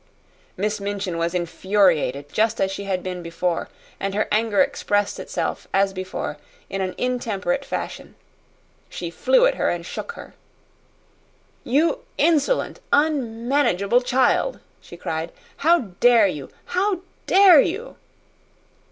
Miss Minchin was infuriated just as she had been before and her anger expressed itself, as before, in an intemperate fashion. She flew at her and shook her. "You insolent, unmanageable child!" she cried. "How dare you! How dare you!"